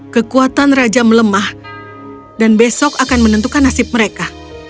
kekuatan raja melemah dan besok akan menentukan nasib mereka